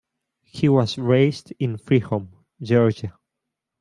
He was raised in Free Home, Georgia.